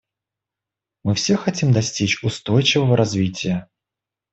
Мы все хотим достичь устойчивого развития.